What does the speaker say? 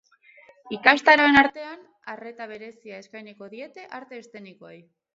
Ikastaroen artean, arreta berezia eskainiko diete arte eszenikoei.